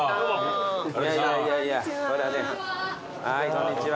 こんにちは！